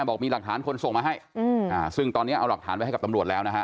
ก็มีหลายคนรู้นะฮะ